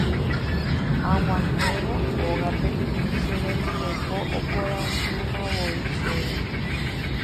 Ag̃uahẽvo ógape che rembireko oporandumavoi chéve.